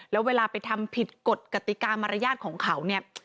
แล้วเวลาไปทำผิดกฎกติกามารยาทของเขาเนี่ย